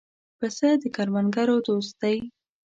پسه د کروندګرو دوست دی.